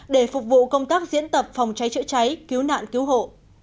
để phục vụ công tác diễn tập phòng cháy chữa cháy cứu nạn cứu hộ